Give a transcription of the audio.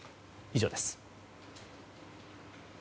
以上です。